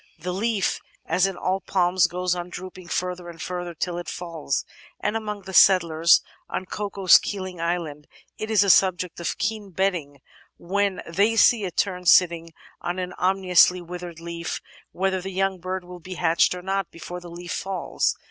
The leaf, as in all palms, goes on drooping further and further till it falls, and among the settlers [on Cocos Keeling Island] it is a subject of keen betting, when they see a tern sitting on an ominously withered leaf, whether the yoimg bird will be hatched or not before the leaf falls.